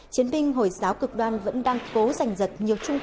chiến binh hồi giáo cực đoan vẫn đang cố giành giật nhiều trung tâm